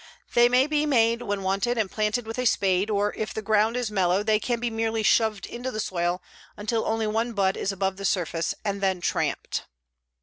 They may be made when wanted and planted with a spade, or if the ground is mellow they can be merely shoved into the soil until only one bud is above the surface and then tramped.